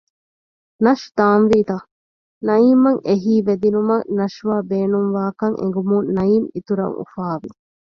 ނަޝް ދާންވީ ތަ؟ ނައީމްއަށް އެހީވެދިނުމަށް ނަޝްވާ ބޭނުންވާކަން އެނގުމުން ނައީމް އިތުރަށް އުފާވި